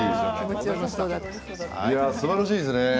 すばらしいですね